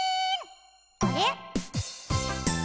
あれ？